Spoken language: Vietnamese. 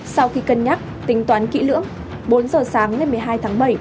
sau khi cân nhắc tính toán kỹ lưỡng bốn giờ sáng ngày một mươi hai tháng bảy